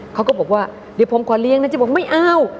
เขาก็บอกว่าเดี๋ยวผมขอเลี้ยงนะจะบอกไม่เอา